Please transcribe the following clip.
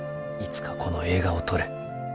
「いつかこの映画を撮れ。